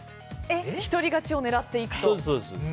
一人勝ちを狙っていくと。